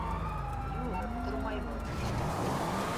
Юҡ, тормай был.